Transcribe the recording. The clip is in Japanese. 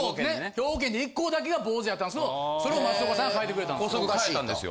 兵庫県で１校だけが坊主やったんですけどそれを松岡さんが変えてくれたんすよ。